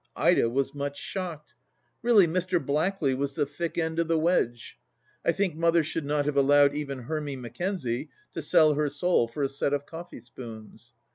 Ida was much shocked. Really Mr. Blackley was the thick end of the wedge. I think Mother should not have allowed even Hermy Mackenzie to sell her soul for a set of coffee spoons.